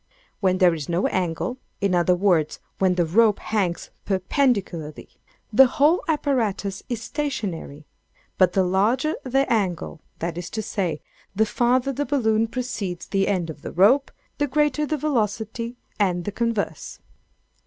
When there is no angle—in other words, when the rope hangs perpendicularly, the whole apparatus is stationary; but the larger the angle, that is to say, the farther the balloon precedes the end of the rope, the greater the velocity; and the converse.